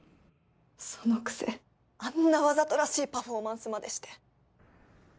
そのくせあんなわざとらしいパフォーマンスまでして。